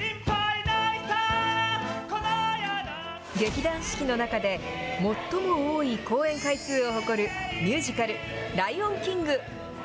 劇団四季の中で、最も多い公演回数を誇るミュージカル、ライオンキング。